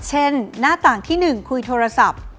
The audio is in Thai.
หน้าต่างที่๑คุยโทรศัพท์